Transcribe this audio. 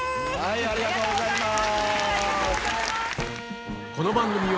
ありがとうございます！